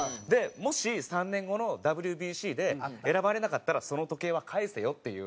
もし３年後のＷＢＣで選ばれなかったらその時計は返せよっていう。